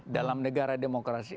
dalam negara demokrasi